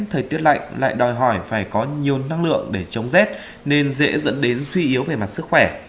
thời tiết lạnh lại đòi hỏi phải có nhiều năng lượng để chống rét nên dễ dẫn đến suy yếu về mặt sức khỏe